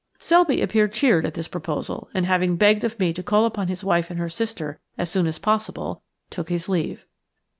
Selby appeared cheered at this proposal and, having begged of me to call upon his wife and her sister as soon as possible, took his leave.